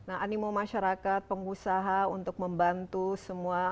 nah animo masyarakat pengusaha untuk membantu semua